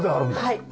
はい。